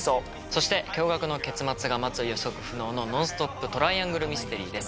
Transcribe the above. そして驚愕の結末が待つ予測不能のノンストップトライアングルミステリーです。